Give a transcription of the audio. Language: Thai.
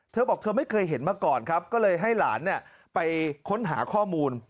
เธอบอกเธอไม่เคยเห็นมาก่อนครับก็เลยให้หลานไปค้นหาข้อมูล